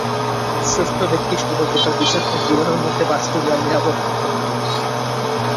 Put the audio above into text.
সুস্থ ব্যক্তি সর্বপ্রকার বিষাক্ত জীবাণুর মধ্যে বাস করিয়াও নিরাপদ থাকিবে।